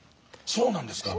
そうなんですか。